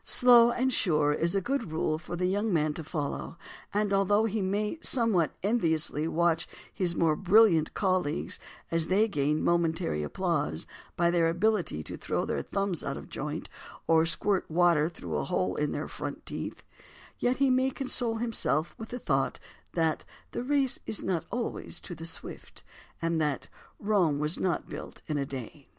"Slow and sure" is a good rule for the young man to follow, and although he may somewhat enviously watch his more brilliant colleagues as they gain momentary applause by their ability to throw their thumbs out of joint or squirt water through a hole in their front teeth, yet he may console himself with the thought that "the race is not always to the swift" and that "Rome was not built in a day."